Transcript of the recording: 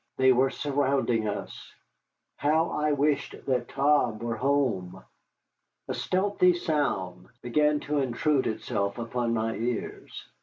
They were surrounding us. How I wished that Tom were home! A stealthy sound began to intrude itself upon our ears.